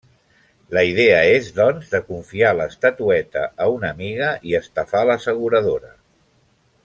La idea és doncs de confiar l'estatueta a una amiga i estafar l'asseguradora.